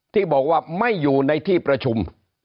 ที่บอกว่าไม่อยู่ในที่ประชุม